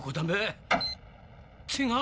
違う！